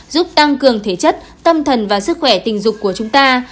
giúp tăng cường thể chất tâm thần và sức khỏe tình dục của chúng ta